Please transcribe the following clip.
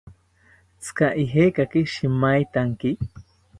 ¿Tzika ijekaki shimaentaki?